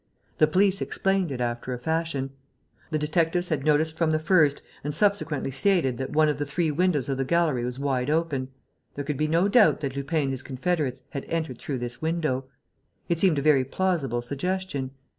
The police explained it, after a fashion. The detectives had noticed from the first and subsequently stated that one of the three windows of the gallery was wide open. There could be no doubt that Lupin and his confederates had entered through this window. It seemed a very plausible suggestion.